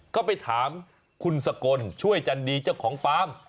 ก็ไปถามคุณสกลช่วยจันดีเจ้าของฟาร์ม